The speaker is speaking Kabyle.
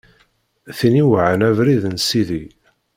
Tin iweɛɛan abrid n Sidi.